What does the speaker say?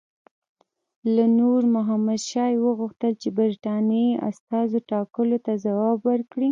له نور محمد شاه یې وغوښتل چې د برټانیې استازو ټاکلو ته ځواب ورکړي.